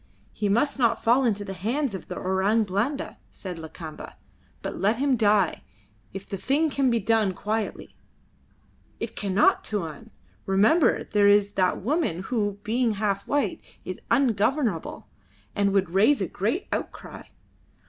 "He must not fall into the hands of the Orang Blanda," said Lakamba; "but let him die, if the thing can be done quietly." "It cannot, Tuan! Remember there is that woman who, being half white, is ungovernable, and would raise a great outcry.